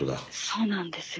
そうなんですよ。